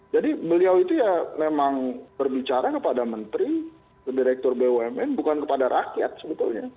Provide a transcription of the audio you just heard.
jadi beliau itu ya memang berbicara kepada menteri ke direktur bumn bukan kepada rakyat sebetulnya